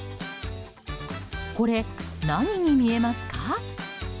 これ、何に見えますか？